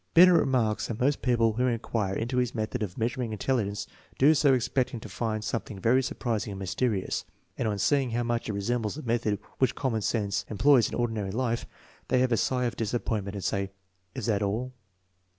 Binet remarks that most people who inquire into his method of measuring intelligence do so expecting to find something very surprising and mysterious; and on seeing how much it resembles the methods which common sense employs in ordinary life, they heave a sigh of disappoint ment and say, " Is that all?